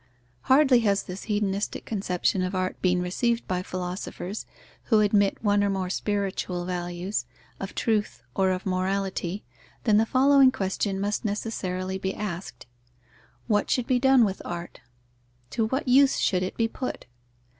Hardly has this hedonistic conception of art been received by philosophers, who admit one or more spiritual values, of truth or of morality, than the following question must necessarily be asked: What should be done with art? To what use should it be put?